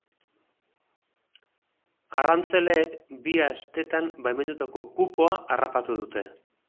Arrantzaleek bi astetan baimendutako kupoa harrapatu dute.